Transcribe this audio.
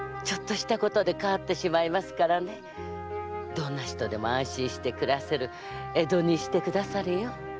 どんな人でも安心して暮らせる江戸にしてくだされよ。